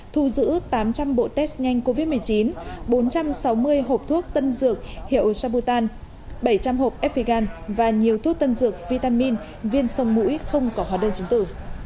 thu giữ tám trăm linh bộ test nhanh covid một mươi chín bốn trăm sáu mươi hộp thuốc tân dược hiệu sabutan bảy trăm linh hộp fpigan và nhiều thuốc tân dược vitamin viên sông mũi không có hóa đơn chứng tử